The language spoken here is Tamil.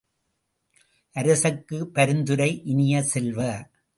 அரசுக்குப் பரிந்துரை இனிய செல்வ!